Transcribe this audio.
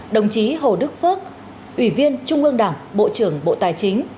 đồng chí hồ đức phước ubnd bộ trưởng bộ tài